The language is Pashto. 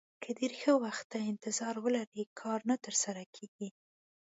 که ډېر ښه وخت ته انتظار ولرئ کار نه ترسره کېږي.